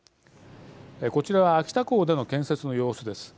こちらは秋田港での建設の様子です。